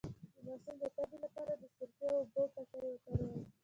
د ماشوم د تبې لپاره د سرکې او اوبو پټۍ وکاروئ